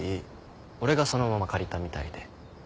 俺がそのまま借りたみたいで。